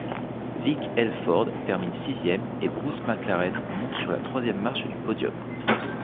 Vic Elford termine sixième et Bruce McLaren monte sur la troisième marche du podium.